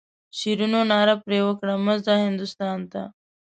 شیرینو ناره پر وکړه مه ځه هندوستان ته.